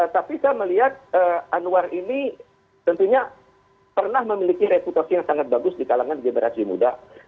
tapi saya melihat anwar ini tentunya pernah memiliki reputasi yang sangat bagus di kalangan generasi muda